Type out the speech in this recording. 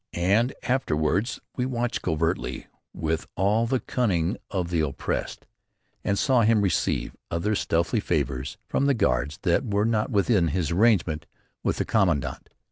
And afterward we watched covertly, with all the cunning of the oppressed, and saw him receive other stealthy favours from the guards that were not within his arrangement with the Commandant.